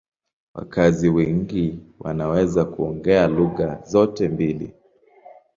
Wakazi wengi wanaweza kuongea lugha zote mbili.